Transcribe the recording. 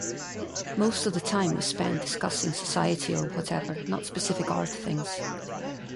Most of the time we spent discussing society or whatever, not specific art things.